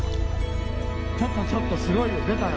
ちょっとちょっとすごいよ出たよ！